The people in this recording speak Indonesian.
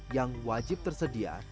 yang wajib tersedia